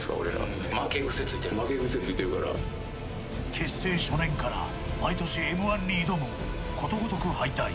結成初年から毎年Ｍ‐１に挑むもことごとく敗退。